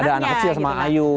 ada anaknya sih sama ayu